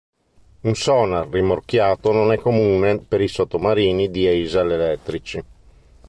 Un sonar rimorchiato non è comune per i sottomarini diesel-elettrici.